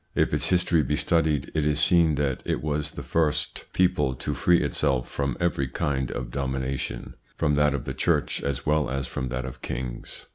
If its history be studied, it is seen that it was the first people to free itself from every kind of domination, from that of the Church as well as from that of kings.